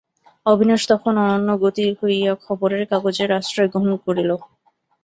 অবিনাশ তখন অনন্যগতি হইয়া খবরের কাগজের আশ্রয় গ্রহণ করিল।